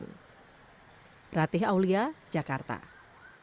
namun penerapan aturan tersebut masih menunggu keputusan gubernur dki jakarta anies baswedan